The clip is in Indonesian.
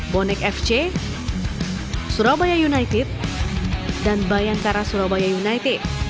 bonek fc surabaya united dan bayangkara surabaya united